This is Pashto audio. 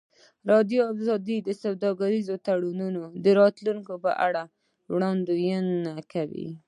ازادي راډیو د سوداګریز تړونونه د راتلونکې په اړه وړاندوینې کړې.